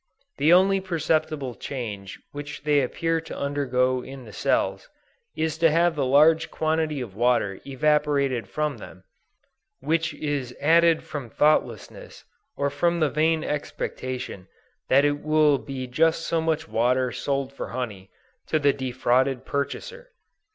The only perceptible change which they appear to undergo in the cells, is to have the large quantity of water evaporated from them, which is added from thoughtlessness, or from the vain expectation that it will be just so much water sold for honey, to the defrauded purchaser!